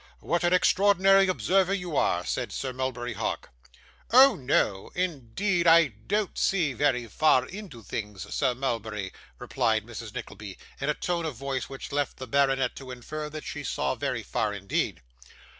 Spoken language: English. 'What an extraordinary observer you are!' said Sir Mulberry Hawk. 'Oh no, indeed, I don't see very far into things, Sir Mulberry,' replied Mrs. Nickleby, in a tone of voice which left the baronet to infer that she saw very far indeed.